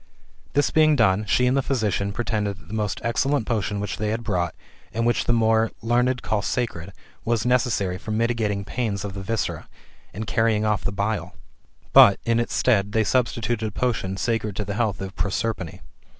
This being done, she and the physician pretended that the most excellent potion which they had brought, and which the more learned called sacred, was necessary for mitigating pains of the viscera, and carrying off the bile \ but, in its stead, they substi tuted a potion sacred to the health of Prosperine.